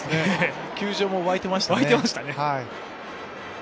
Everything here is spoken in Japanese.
球場も沸いていましたね。